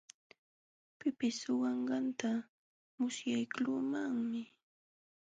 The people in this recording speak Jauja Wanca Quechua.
Pipis suwaaśhqanta musyaqluumanmi.